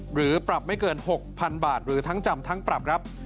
หรือปรับไม่เกิน๖๐๐๐บาทหรือทั้งจำทั้งปรับครับ